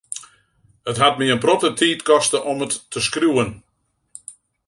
It hat my in protte tiid koste om it te skriuwen.